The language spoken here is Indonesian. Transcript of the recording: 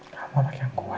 kamu lagi yang kuat